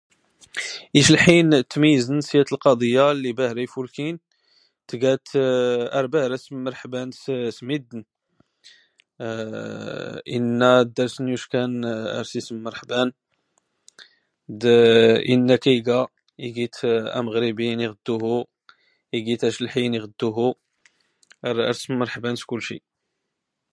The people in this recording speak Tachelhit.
Iclḥiyn ttmiyyzn s yat lqaḍyya lli bahra ifulkin, tga tt ar bahra smmrḥban s middn, inna darsn yuckan ar sis smmrḥban d inna ka iga, ig it amɣribi niɣ d uhu, ig it aclḥiy niɣ d uhu, ar smmrḥban s kulci.